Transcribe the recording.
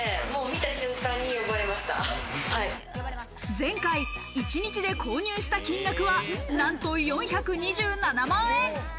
前回、一日で購入した金額はなんと４２７万円。